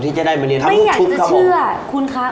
ที่จะได้มาเรียนทำลูกชุบครับผมไม่อยากจะเชื่อคุณคะ